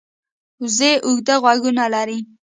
وزې اوږده غوږونه لري